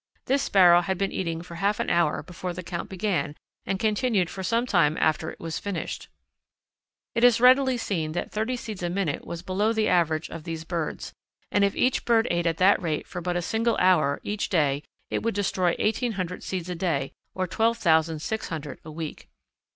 This Sparrow had been eating for half an hour before the count began and continued for some time after it was finished." It is readily seen that thirty seeds a minute was below the average of these birds; and if each bird ate at that rate for but a single hour each day it would destroy eighteen hundred seeds a day, or twelve thousand six hundred a week.